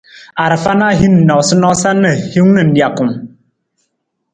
Arafa na hin noosanoosa na hiwung na nijakung.